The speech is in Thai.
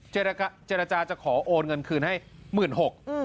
เจรจาจะขอโอนเงินคืนให้๑๖๐๐บาท